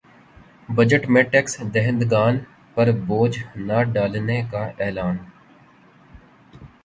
budget میں tax دہندگان پر بوجھ نہ ڈالنے کا اعلان